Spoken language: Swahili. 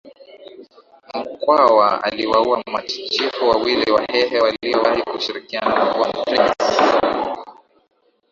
Mkwawa aliwaua machifu wawili Wahehe waliowahi kushirikiana na von Prince